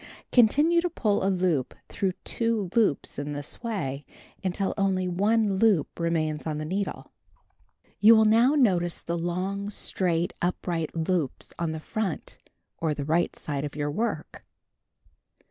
Continue to pull a loop through two loops in this way (Cut 3) until only one loop remains on the needle. You will now notice the long straight upright loops on the front, or the right side, of your work.